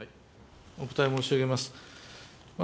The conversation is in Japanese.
お答え申し上げます。